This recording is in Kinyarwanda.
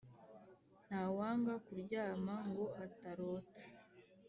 Ntawanga kuryama ngo atarota.